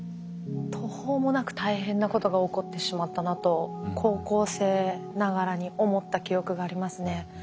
途方もなく大変なことが起こってしまったなと高校生ながらに思った記憶がありますね。